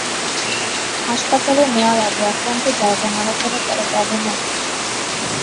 হাসপাতালে নেয়ার আগে আক্রান্ত জায়গা নাড়াচাড়া করা যাবে না।